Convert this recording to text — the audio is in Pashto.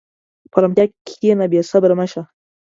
په ارامتیا کښېنه، بېصبره مه شه.